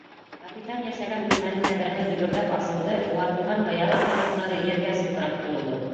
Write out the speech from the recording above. Капитан йәшәгән бүлмәнең тәҙрәһе дөбөрҙәп асылды, ватылған быяла ҡалдыҡтары ергә сылтырап ҡойолдо.